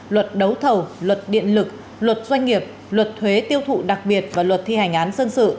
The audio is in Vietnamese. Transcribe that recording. luật đấu thầu luật điện lực luật doanh nghiệp luật thuế tiêu thụ đặc biệt và luật thi hành án dân sự